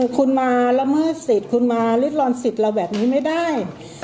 คุณมาละเมิดสิทธิ์คุณมาริดรอนสิทธิ์เราแบบนี้ไม่ได้